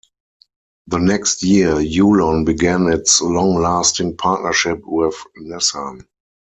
The next year Yulon began its long-lasting partnership with Nissan.